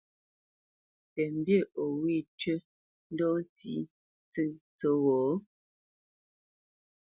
Tə mbî o wê tʉ́ ndɔ́ sǐʼ ntsə́ tsə́ghō?